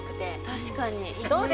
確かに。